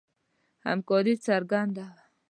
همکاري څرګنده وه.